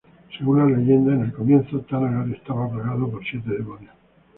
Según las leyendas, en el comienzo Thanagar estaba plagado por siete demonios.